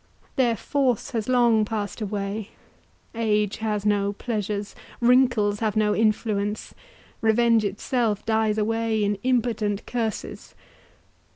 Their force has long passed away—Age has no pleasures, wrinkles have no influence, revenge itself dies away in impotent curses.